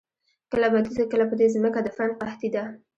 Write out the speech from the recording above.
کله په دې زمکه د فن قحطي ده